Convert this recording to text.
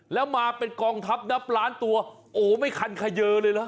แล้วมาเป็นกองทัพนับล้านตัวโอ้ไม่คันเขยอเลยนะ